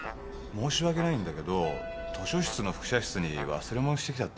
申し訳ないんだけど図書室の複写室に忘れ物してきちゃったんだ。